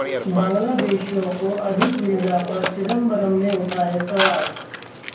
बांग्लादेशियों को अधिक वीज़ा पर चिदंबरम ने उठाए सवाल